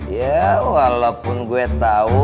ya walaupun gue tau